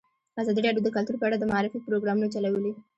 ازادي راډیو د کلتور په اړه د معارفې پروګرامونه چلولي.